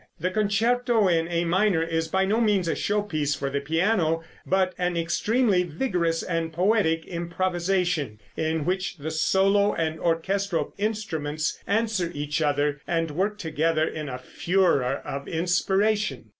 The concerto in A minor is by no means a show piece for the piano, but an extremely vigorous and poetic improvisation, in which the solo and orchestral instruments answer each other, and work together in a furor of inspiration.